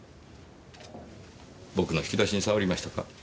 僕の引き出しに触りましたか？